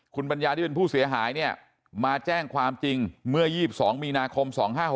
คุณปัญญาที่เป็นผู้เสียหายเนี่ยมาแจ้งความจริงเมื่อ๒๒มีนาคม๒๕๖๖